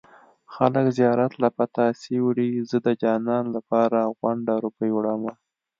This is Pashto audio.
خلک زيارت له پتاسې وړي زه د جانان لپاره غونډه روپۍ وړمه